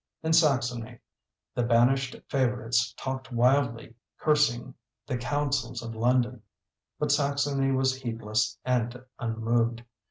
In Saxony the banished favourites talked wildly, cursing the counsels of London; but Saxony was heedless and unmoved.